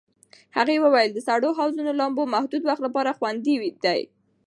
هغې وویل د سړو حوضونو لامبو محدود وخت لپاره خوندي دی.